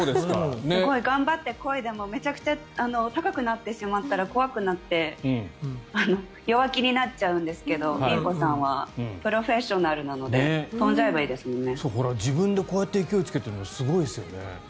頑張ってこいでもめちゃくちゃ高くなってしまったら怖くなって弱気になっちゃうんですけどインコさんはプロフェッショナルなので自分でこうやって勢いをつけているのすごいですよね。